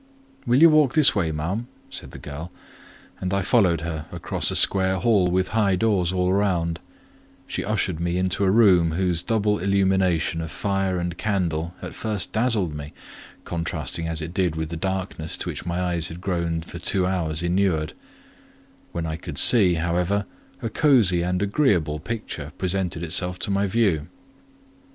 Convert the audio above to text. "Will you walk this way, ma'am?" said the girl; and I followed her across a square hall with high doors all round: she ushered me into a room whose double illumination of fire and candle at first dazzled me, contrasting as it did with the darkness to which my eyes had been for two hours inured; when I could see, however, a cosy and agreeable picture presented itself to my view.